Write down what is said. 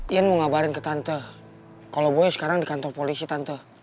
ian mau ngabarin ke tante kalau boy sekarang di kantor polisi tante